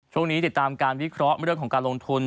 ติดตามการวิเคราะห์เรื่องของการลงทุน